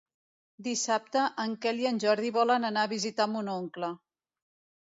Dissabte en Quel i en Jordi volen anar a visitar mon oncle.